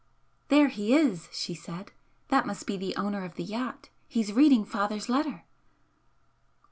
"There he is!" she said "That must be the owner of the yacht. He's reading father's letter."